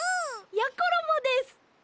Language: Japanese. やころもです！